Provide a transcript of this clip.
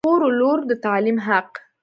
د خور و لور د تعلیم حق